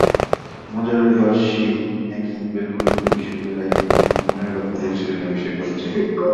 মজার ব্যাপার, সেই একই বেলকনিতে ঐশ্বরিয়া রাইকে মনের কথা বলেছিলেন অভিষেক বচ্চন।